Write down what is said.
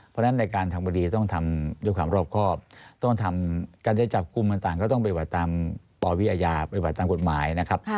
เพราะฉะนั้นในการทำคดีต้องทำด้วยความรอบครอบต้องทำการจะจับกลุ่มต่างก็ต้องปฏิบัติตามปวิอาญาปฏิบัติตามกฎหมายนะครับ